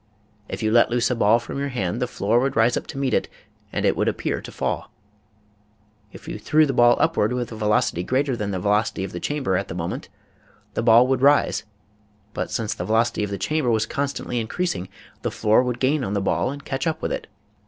If you let loose a ball from your hand the floor would rise up to meet it and it would appear to fall. If you threw the ball upward with a velocity greater than the velocity of the chamber at the moment, the ball would rise, but since the velocity of the chamber was constantly increasing the floor would gain on the ball and catch up with it.